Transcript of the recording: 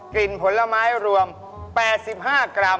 กลิ่นผลไม้รวม๘๕กรัม